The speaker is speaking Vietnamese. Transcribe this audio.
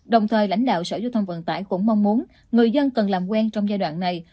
đồng thời lãnh đạo sở giao thông vận tải cũng mong muốn người dân cần làm quen trong giai đoạn này